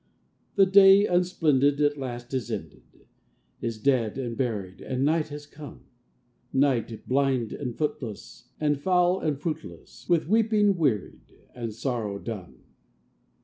The day, unsplendid, at last is ended, Is dead and buried, and night has come; Night, blind and footless, and foul and fruitless, With weeping wearied, and sorrow dumb.